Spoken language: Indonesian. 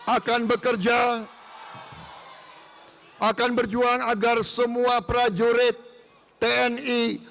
akan bekerja akan berjuang agar semua prajurit tni